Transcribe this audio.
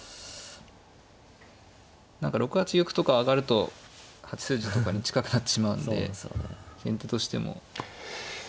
何か６八玉とか上がると８筋とかに近くなってしまうんで先手としても難しいですね。